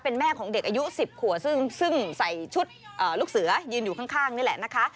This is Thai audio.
เป็นแม่ของเด็กอายุ๑๐ขัวซึ่งใส่ชุดลูกเสือยืนอยู่ข้างนี่แหละนะคะ